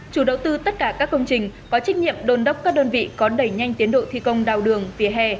chủ đầu tư tất cả các công trình có trách nhiệm đồn đốc các đơn vị có đẩy nhanh tiến độ thi công đào đường vỉa hè